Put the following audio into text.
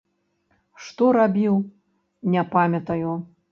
Што рабіў, не памятаю.